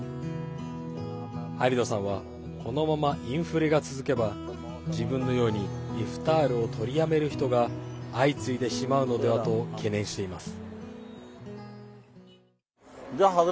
ハリドさんはこのままインフレが続けば自分のようにイフタールを取りやめる人が相次いでしまうのではと懸念しています。